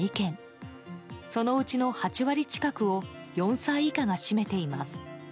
そのうちの８割近くを４歳以下が占めています。